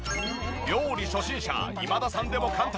料理初心者今田さんでも簡単！